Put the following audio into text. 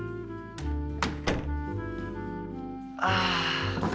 ああ。